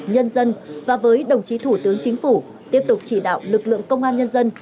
nhân dân và với đồng chí thủ tướng chính phủ tiếp tục chỉ đạo lực lượng công an nhân dân